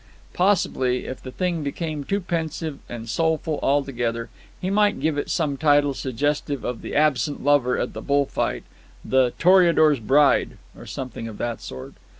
Possibly, if the thing became too pensive and soulful altogether, he might give it some title suggestive of the absent lover at the bull fight—"The Toreador's Bride"—or something of that sort.